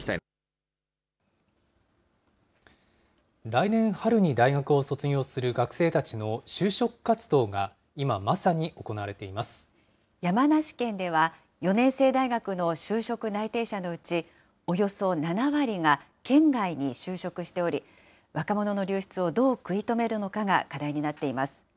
来年春に大学を卒業する学生たちの就職活動が、今、まさに行山梨県では、４年制大学の就職内定者のうち、およそ７割が県外に就職しており、若者の流出をどう食い止めるのかが課題になっています。